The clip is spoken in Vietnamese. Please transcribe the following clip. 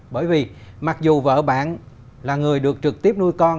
bởi vì mặc dù vợ bạn là người được trực tiếp nuôi con